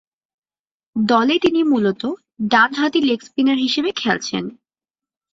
দলে তিনি মূলতঃ ডানহাতি লেগ-স্পিনার হিসেবে খেলছেন।